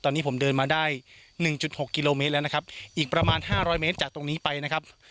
ตอนนี้ผมเดินมาได้หนึ่งจุดหกกิโลเมตรแล้วนะครับอีกประมาณห้าร้อยเมตรจากตรงนี้ไปนะครับ